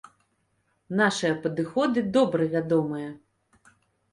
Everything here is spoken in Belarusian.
Нашыя падыходы добра вядомыя.